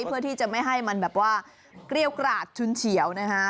เพื่อที่จะไม่ให้มันแบบว่าเกรี้ยวกราดชุนเฉียวนะฮะ